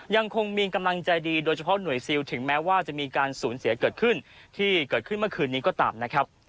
ยังคงมีกำลังใจดีโดยเฉพาะหน่วยซิลถึงแม้ว่าจะมีการสูญเสียเกิดขึ้นที่เกิดขึ้นเมื่อคืนนี้ก็ตามนะครับ